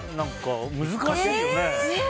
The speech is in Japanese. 難しいよね。